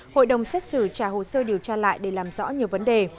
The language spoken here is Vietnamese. hội đồng xét xử trả hồ sơ điều tra lại để làm rõ nhiều vấn đề